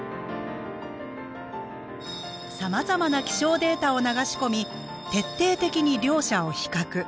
さまざまな気象データを流し込み徹底的に両者を比較。